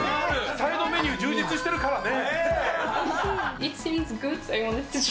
サイドメニュー、充実してるからね。